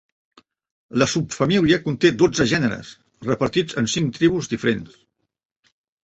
La subfamília conté dotze gèneres repartits en cinc tribus diferents.